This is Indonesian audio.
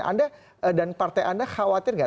anda dan partai anda khawatir nggak